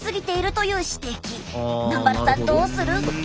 南原さんどうする？